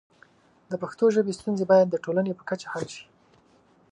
د پښتو ژبې ستونزې باید د ټولنې په کچه حل شي.